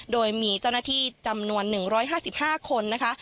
โดยมีเจ้าหน้าที่จำนวน๑๕๕คนนะคะ